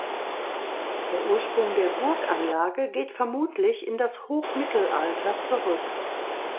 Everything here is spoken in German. Der Ursprung der Burganlage geht vermutlich in das Hochmittelalter zurück.